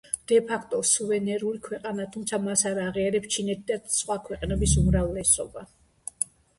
დე-ფაქტო სუვერენული ქვეყანაა, თუმცა მას არ აღიარებს ჩინეთი და ქვეყნების უმრავლესობა.